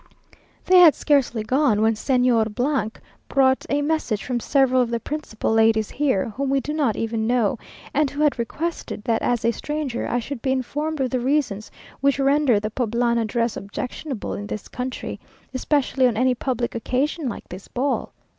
They had scarcely gone, when Señor brought a message from several of the principal ladies here, whom we do not even know, and who had requested, that as a stranger, I should be informed of the reasons which rendered the Poblana dress objectionable in this country, especially on any public occasion like this ball.